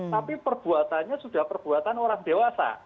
tapi perbuatannya sudah perbuatan orang dewasa